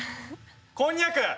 こんにゃく！